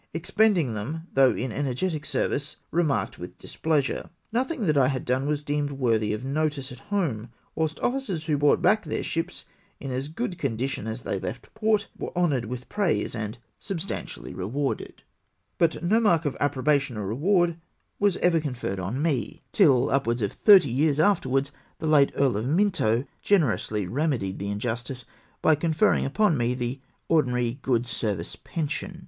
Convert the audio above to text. Expending them, though in energetic service, remarked with displeasure. No thing that I had done was deemed worthy of notice at home, whilst officers who brought back thek ships in as good condition as they left port, were honom^ed with praise and substantially rewarded ; but no mark of approbation or reward was ever conferred on me tiU NEGLECT OF THE ADMIRALTY. 337 upwards of thirty years afterwards, the late Earl of Mmto generously remedied the injustice by conferring upon me the ordinary good service pension.